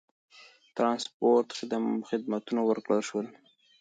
ترانسپورت خدمتونه ورکړل شول.